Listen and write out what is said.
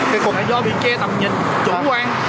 cái cục này do bị che tầm nhìn chủ quan